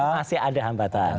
masih ada hambatan